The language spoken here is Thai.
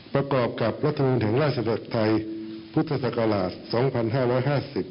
ประกอบกับรัฐมนตร์แห่งราชอาณาจักรไทยพุทธศักราช๒๕๕๐